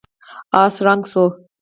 آس ړنګ شو.